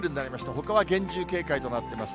ほかは厳重警戒となってます。